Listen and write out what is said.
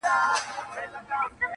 دا صفت مي په صفاتو کي د باز دی,